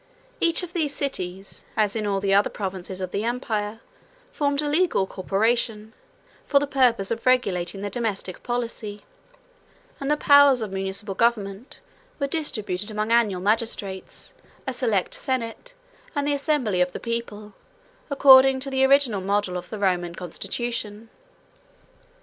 181 Each of these cities, as in all the other provinces of the empire, formed a legal corporation, for the purpose of regulating their domestic policy; and the powers of municipal government were distributed among annual magistrates, a select senate, and the assembly of the people, according to the original model of the Roman constitution.